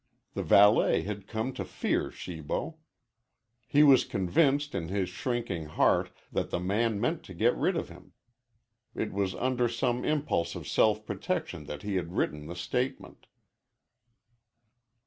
The valet had come to fear Shibo. He was convinced in his shrinking heart that the man meant to get rid of him. It was under some impulse of self protection that he had written the statement.